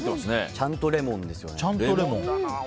ちゃんとレモンですよね。